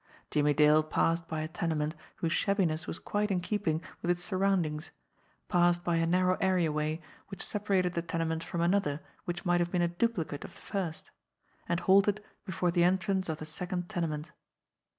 Jimmie Dale passed by a tenement whose shabbiness was quite in keeping with its surroundings, passed by a narrow areaway which separated the tenement from another which might have been a duplicate of the first and halted before the entrance of the second tenement.